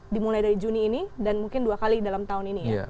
dimulai dari juni ini dan mungkin dua kali dalam tahun ini ya